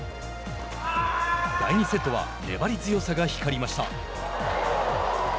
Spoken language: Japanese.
第２セットは粘り強さが光りました。